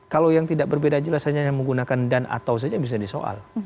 kalau yang tidak berbeda jelas hanya menggunakan dan atau saja bisa disoal